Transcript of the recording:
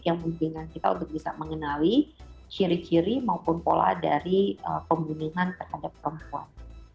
yang memungkinkan kita untuk bisa mengenali ciri ciri maupun pola dari pembunuhan terhadap perempuan